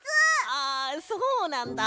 あそうなんだ。